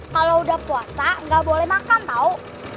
kalau udah puasa nggak boleh makan tau